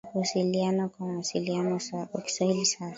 Tunaweza kuwasiliana kwa Kiswahili sasa